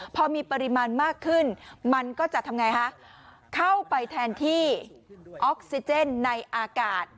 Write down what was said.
พอมีปริมาณมากขึ้นมันก็จะทำไงฮะเข้าไปแทนที่ออกซิเจนในอากาศ